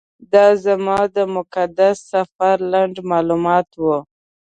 دا زما د مقدس سفر لنډ معلومات و.